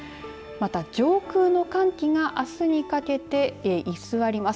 また上空の寒気があすにかけて居座ります。